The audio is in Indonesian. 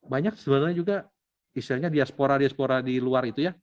banyak sebenarnya juga istilahnya diaspora diaspora di luar itu ya